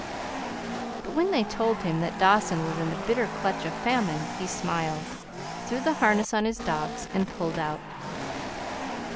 But when they told him that Dawson was in the bitter clutch of famine, he smiled, threw the harness on his dogs, and pulled out.